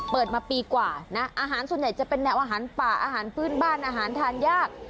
เปิดมาปีกว่านะอาหารส่วนใหญ่จะเป็นแนวอาหารป่าอาหารพื้นบ้านอาหารทานยาก